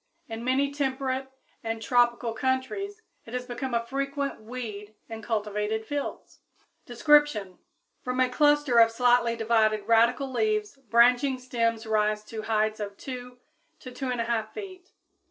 In many temperate and tropical countries it has become a frequent weed in cultivated fields. Description. From a cluster of slightly divided radical leaves branching stems rise to heights of 2 to 2 1/2 feet.